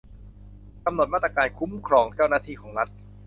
กำหนดมาตรการคุ้มครองเจ้าหน้าที่ของรัฐ